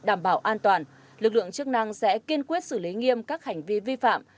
đảm bảo an toàn lực lượng chức năng sẽ kiên quyết xử lý nghiêm các hành vi vi phạm